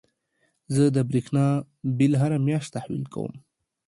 زه د برېښنا بيل هره مياشت تحويل کوم.